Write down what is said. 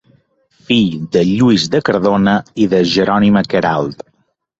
Fill de Lluís de Cardona i de Jerònima Queralt.